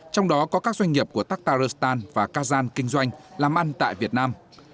trong đó có các doanh nghiệp của taktaristan và kazan kinh doanh làm ăn tại việt nam